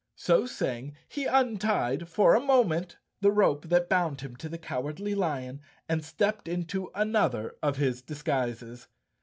So saying, he untied, for a moment, the rope that bound him to the Cowardly Lion and stepped into another of his disguises.